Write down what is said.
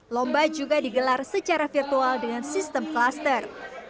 lomba juga digelar secara virtual dengan sistem klaster